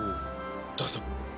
どうぞ。